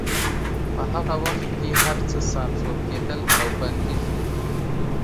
په هغه وخت کې هرڅه سانسور کېدل او بندیز و